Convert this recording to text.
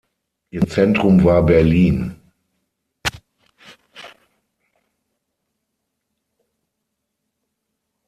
Ihr Zentrum war Berlin.